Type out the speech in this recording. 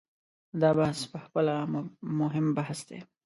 دا بحث په خپله مهم بحث دی.